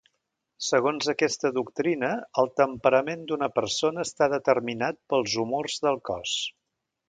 Segons aquesta doctrina, el temperament d'una persona està determinat pels humors del cos.